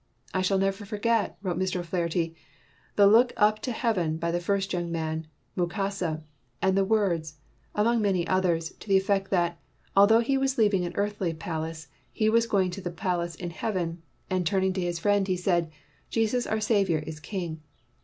"I shall never forget," wrote Mr. O 'Flaherty, "the look up to heaven by the first young man, Mukasa, and the words, among many others, to the effect that, although he was leaving an earthly palace, he was going to the palace in heaven; and turning to his friend he said, 'Jesus our Saviour is King.'